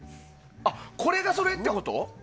これがそれってこと？